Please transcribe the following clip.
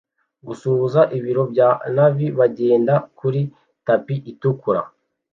gusuhuza ibiro bya Navy bagenda kuri tapi itukura